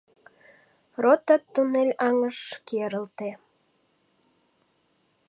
Рота туннель аҥыш керылте.